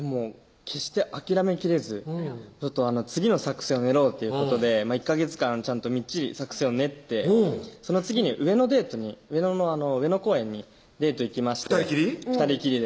決して諦めきれず次の作戦を練ろうということで１ヵ月間ちゃんとみっちり作戦を練ってその次に上野デートに上野の上野公園にデート行きまして二人きり？